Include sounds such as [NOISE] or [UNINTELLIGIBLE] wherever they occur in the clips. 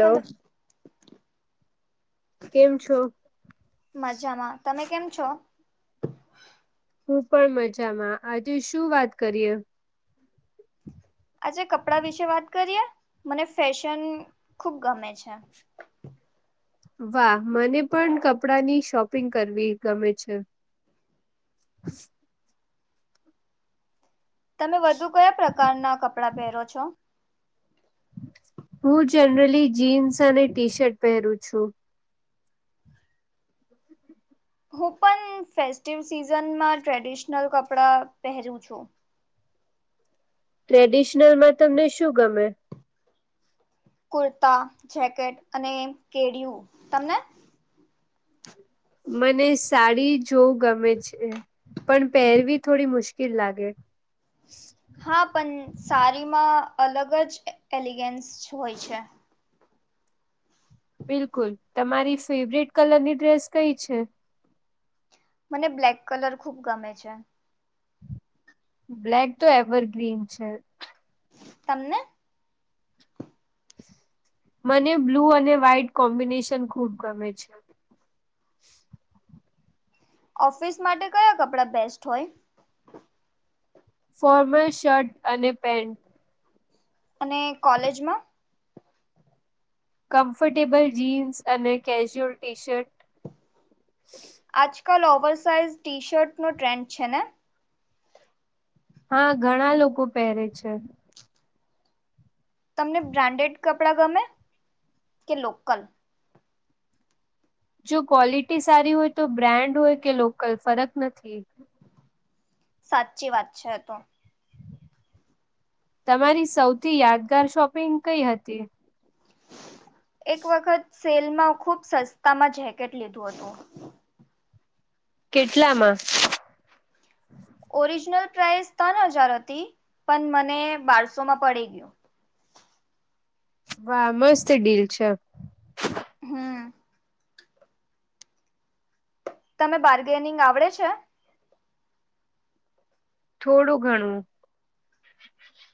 Hello કેમ છો. મજામાં તમે કેમ છો. હું પણ મજામાં આજે શું વાત કરીએ. આજે કપડા વિશે વાત કરીએ મને ફેશન ખુબ ગમે છે. વાહ મને પણ કપડાની શોપિંગ કરવી ગમે છે અચ તમે વધુ કયા પ્રકારના કપડા પહેરો છો હું જનરલી જીન્સ અને ટી શર્ટ પહેરું છું હું પણ ફેસ્ટ સીઝનમાં ટ્રેડિશનલ કપડા પહેરું છું ટ્રેડિશનલ માં તમને શું ગમે કુર્તા જેકેટ અને કેળિયું તમને મને શાડી જોવું ગમે છે પણ પહેરવી થોડી મુશ્કેલ લાગે હા પણ સારીમાં અલગ જ એલિગેન્સ હોય છે બિલકુલ તમારી ફેવરટ કલરની ડ્રેસ કઈ છે મને બ્લેક કલર ખુબ ગમે છે બ્લેક તો એવર ગ્રીન છે તમને મને બ્લુ અને વ્હાઈટ કોમ્બિનેશન ખુબ ગમે છે ઓફિસ માટે કયા કપડા બેસ્ટ હોય ફોર્મલ શર્ટ અને પેન્ટ અને કોલેજમાં કમ્ફર્ટેબલ જીન્સ અને કેઝ્યુઅલ ટી શર્ટ આજકાલ ઓવર સાઇઝ ટી શર્ટનો ટ્રેન્ડ છે ને હા ઘણા લોકો પહેરે છે તમને બ્રાન્ડેડ કપડાં ગમે કે લોકલ જો ક્વોલિટી સારી હોય તો બ્રાન્ડ હોય કે લોકલ ફરક નથી સાચી વાત છે તો તમારી સૌથી યાદગાર શોપિંગ કઈ હતી એક વખત સેલમાં ખુબ સસ્તામાં જેકેટ લીધું હતું કેટલામાં ઓરિજિનલ પ્રાઇસ ત્રણ હજાર હતી પણ મને બારસો માં પડી ગયું વાહ મસ્ત ડીલ છે હમ તમે બાર્ગેનિંગ આવડે છે થોડું ઘણું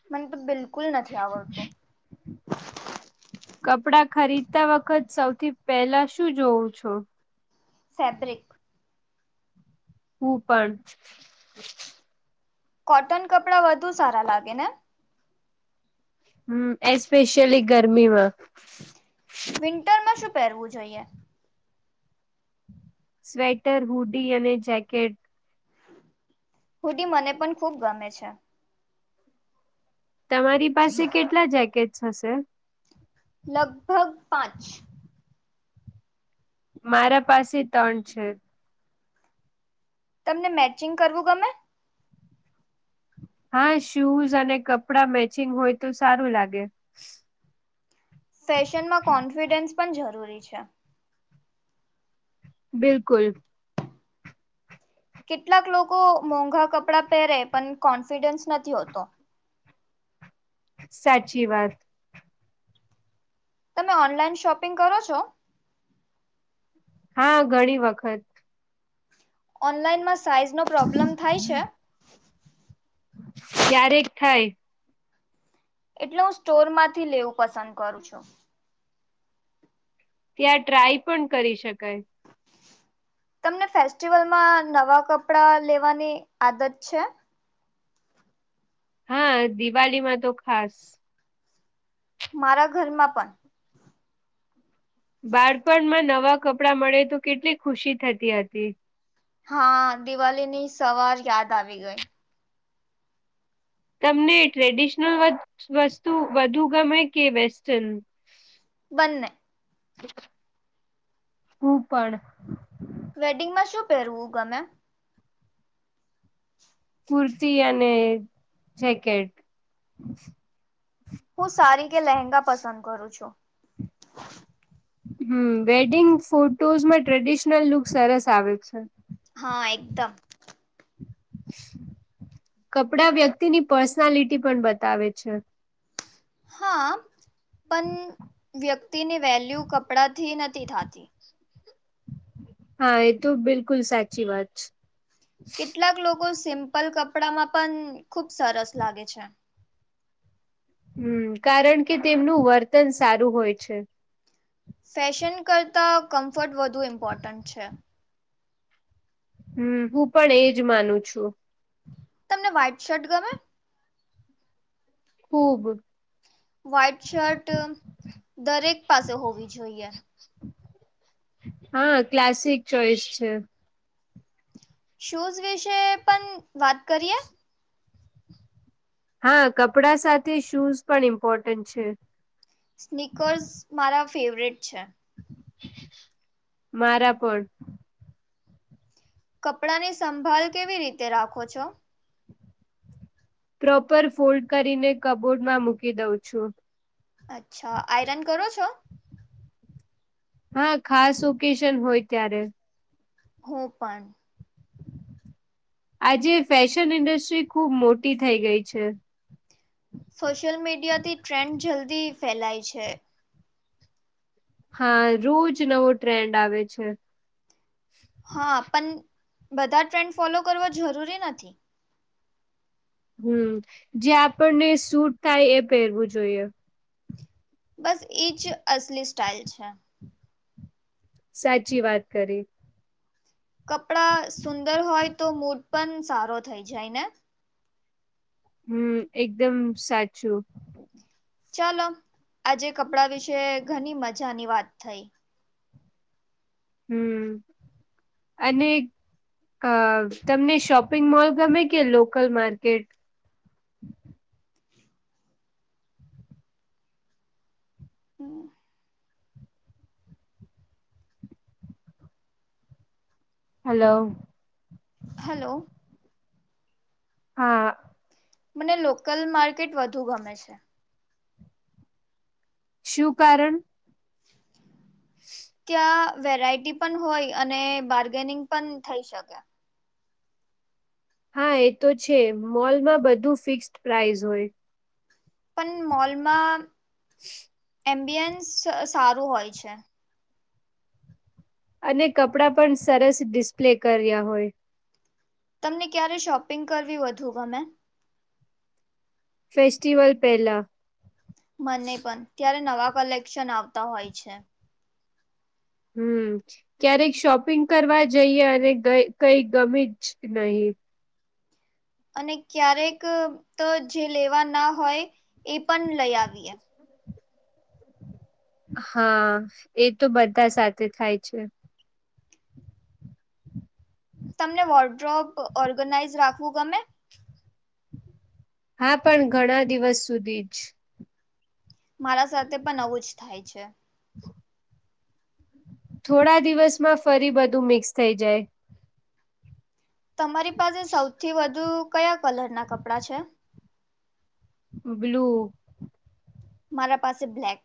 મને તો બિલકુલ નથી આવડતું [INAUDIBLE] કપડા ખરીદતા વખત સૌથી પહેલા શું જોવં છો ફેબ્રિક હું પણ કોટન કપડા વધુ સારા લાગે ને હમ એસ્પેશિયલી ગરમીમાં વિન્ટરમાં શું પહેરવું જોઈએ સ્વેટર હુડી અને જેકેટ હુટી મને પણ ખુબ ગમે છે તમારી પાસે કેટલા જેકેટસ હશે લગભગ પાંચ મારા પાસે ત્રણ છે તમને મેચિંગ કરવું ગમે હા શૂઝ અને કપડા મેચિંગ હોય તો સારું લાગે ફેશનમાં કોન્ફિડન્સ પણ જરૂરી છે બિલકુલ કેટલાક લોકો મોંઘા કપડાં પહેરે પણ કોન્ફિડન્સ નથી હોતો સાચી વાત તમે ઓનલાઈન શોપિંગ કરો છો. હા ઘણી વખત ઓનલાઈનમાં સાઈઝનો પ્રોબ્લેમ થાય છે. ક્યારેક થાય. એટલે હું સ્ટોર માંથી લેવું પસંદ કરું છુ. ત્યાં ટ્રાય પણ કરી શકાય [UNINTELLIGIBLE] તમને ફેસ્ટિવલમાં નવા કપડાં લેવાની આદત છે. હા, દિવાળીમા તો ખાસ મારા ઘરમાં પણ બાળપણમાં નવા કપડાં મળે તો કેટલી ખુશી થતી હતી. હા, દિવાળી ની સવાર યાદ આવી ગઈ. તમને ટ્રેડિશનલ વસ્તુ વધુ ગમે કે વેસ્ટન બન્ને ઉપળ. વેડિંગમાં શું પહેરવું ગમે કુર્તી અને જેકેટ હું સારી કે લહેંગા પસંદ કરું છુ. હમ વેડિંગ ફોટોઝમાં ટ્રેડિશનલ લુક સરસ આવે છે. હા એકદમ કપડા વ્યક્તિની પર્સનાલિટી પણ બતાવે છે. હા પણ વ્યક્તિની વેલ્યુ કપડાથી નથી, થતી. હા એ તો બિલકુલ સાચી વાત છે. કેટલાક લોકો સિમ્પલ કપડામાં પણ ખુબ સરસ લાગે છે. હમ કારણ કે તેમનું વર્તન સારું હોય છે. ફેશન કરતાં કમ્ફર્ટ વધુ ઇમ્પોર્ટન્ટ છે. હમ હું પણ એજ માનું છુ. તમને વ્હાઈટ શર્ટ ગમે ખૂબ વ્હાઈટ શર્ટ દરેક પાસે હોવી જોઈએ. હા ક્લાસિક ચોઈસ છે. શૂઝ વિશે પણ વાત કરીએ હા કપડા સાથે શૂઝ પણ ઇમ્પોર્ટન્ટ છે. સ્નીકર્સ મારા ફેવરેટ છે. મારા પણ કપડા ની સંભાળ કેવી રીતે રાખો છો. પ્રોપર ફોલ્ડ કરીને કબોર્ડમાં મૂકી દઉં છુ. અચ્છા આયરન કરો છો. હા ખાસ ઓકેશન હોય, ત્યારે હ પણ આજે ફેશન ઇન્ડસ્ટ્રી ખુબ મોટી થઇ ગઈ છે. સોશિયલ મીડિયાથી ટ્રેન્ડ જલ્દી ફેલાય છે. હા રોજ નવો ટ્રેન્ડ આવે છે. હા પણ બધા ટ્રેન્ડ ફોલો કરવાો જરૂરી નથી. હમ જે આપણને સૂટ થાય એ પહેરવું જોઈએ. બસ એજ અસલી સ્ટાઇલ છે. સાચી વાત કરી કપડા સુંદર હોય તો મૂડ પણ સારો થઈ જાય ને હમ એકદમ સાચું ચાલો આજે કપડા વિશે ઘણી મજાની વાત થઈ હમ અને અ તમને શોપિંગ મોલ ગમે કે લોકલ માર્કેટ હ હલો હલો હા મને લોકલ માર્કેટ વધુ ગમે છે શું કારણ ક્યા વેરાયટી પણ હોય અને બાર્ગેનિંગ પણ થઈ શકે હા એ તો છે મોલમાં બધું ફિક્ડ પ્રાાઈસ હોય પણ મોલમાં [INAUDIBLE] એમ્બિયન્સ સારું હોય છે અને કપડાં પણ સરસ ડિસ્પ્લે કર્યા હોય તમને ક્યારે શોપિંગ કરવી વધુ ગમે ફેસ્ટિવલ પહેલા મને પણ ત્યારે નવા કલેક્શન આવતા હોય છે હમ ક્યારેક શોપિંગ કરવા જઈએ અને કઈ ગમી જ નહીિ અને ક્યારેક તો જે લેવા ના હોય એ પણ લઈ આવીએ હમ હા એ તો બધા સાથે થાય છે તમને વોર્ડ્રોપ ઓર્ગનાઇઝ રાખવું ગમે હા પણ ઘણા દિવસ સુધી જ મારા સાથે પણ આવું જ થાય છે [INAUDIBLE] થોડા દિવસમાં ફરી બધું મિક્સ થઈ જાય તમારી પાસે સૌથી વધુ કયા કલરના કપડાં છે બ્લુ મારા પાસે બ્લેક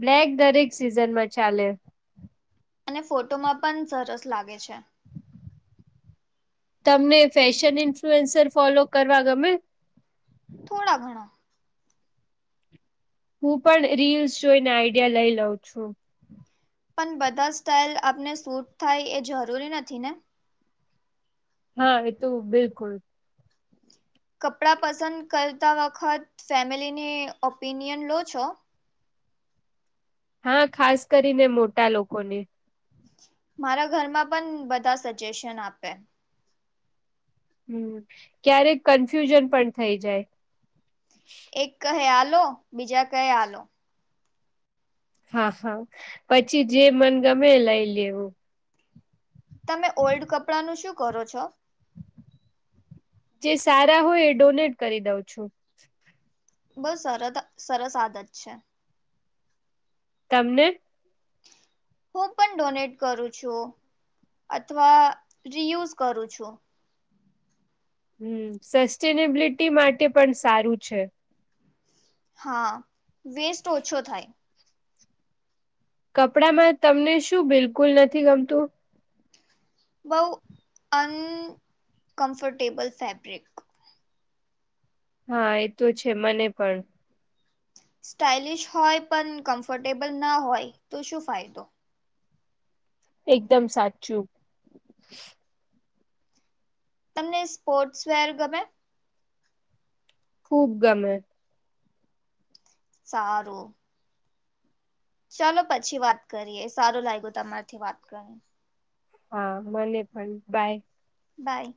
બ્લેક દરેક સિઝનમાં ચાલે અને ફોટોમાં પણ સરસ લાગે છે તમને ફેશન ઇન્ફ્લુઅન્સર ફોલો કરવા ગમે થોડા ઘણાો હું પણ રીલ્સ જોઈને આઈડિયા લઈ લઉં છું પણ બધા સ્ટાઇલ આપને સૂટ થાય એ જરૂરી નથી ને હા એ તો બિલકુલ કપડાં પસંદ કરતા વખત ફેમિલીની ઓપિનિયન લો છો હા ખાસ કરીને મોટા લોકોને મારા ઘરમાં પણ બધા સજેશન આપે હમ ક્યારેક કન્ફ્યુઝન પણ થઇ જાય એક કહે આલો બીજા કહે આલો હા હા પછી જે મન ગમે લઈ લેવું તમે ઓલ્ડ કપડા નું શું કરો છો જે સારા હોય એ ડોનેટ કરી દઉં છો બહ સર સરસ આદત છે. તમને. હું પણ ડોનેટ કરું છું. અથવા રિયુઝ કરું છુ. હમ સસ્ટેનેબિલિટી માટે પણ સારું છે. હા વેસ્ટ ઓછો થાય. કપડા માં તમને શું બિલકુલ નથી ગમતું. બહુ અનકમ્ફર્ટેબલ ફેબ્રિક. હા એ તો છે મને પણ. સ્ટાઇલિશ હોય પણ કમ્ફર્ટેબલ ના હોય તો શું ફાયદો. એકદમ સાચું. તમને સ્પોર્ટ્સ વેર ગમે. ખુબ ગમે. સારું. ચાલો પછી વાત કરીએ સારું લાગ્યું તમારથી વાત કરી. હા મને પણ બાય. બાય